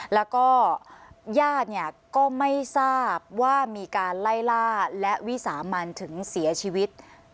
แล้วก็ญาติเนี่ยก็ไม่ทราบว่ามีการไล่ล่าและวิสามันถึงเสียชีวิต